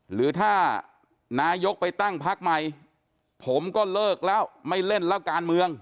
หรือถ้านายกไปตั้งพักใหม่ผมก็เลิกแล้วไม่เล่นแล้วการเมือง